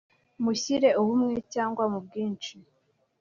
mushyire mu bumwe cyangwa mu bwinshi